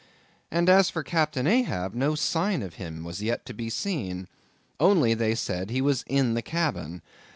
And, as for Captain Ahab, no sign of him was yet to be seen; only, they said he was in the cabin.